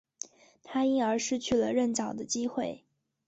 他因而失去了任教的机会。